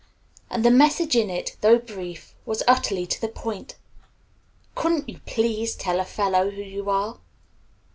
And the message in it, though brief was utterly to the point. "Couldn't you please tell a fellow who you are?"